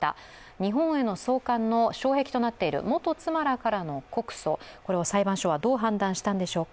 日本への送還の障壁となっている元妻らからの告訴、これを裁判所はどう判断したのでしょうか。